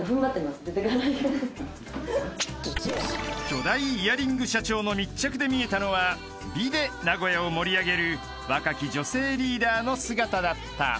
［巨大イヤリング社長の密着で見えたのは美で名古屋を盛り上げる若き女性リーダーの姿だった］